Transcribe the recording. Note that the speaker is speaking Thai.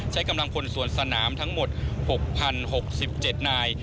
ใช้กำลังพลสวนสนามทั้งหมด๖๐๖๗นาย